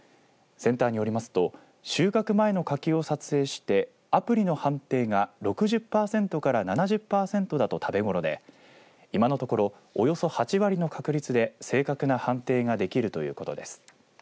センターによりますと収穫前の柿を撮影してアプリの判定が６０パーセントから７０パーセントだと食べ頃で今のところおよそ８割の確率で正確な判定ができるということです。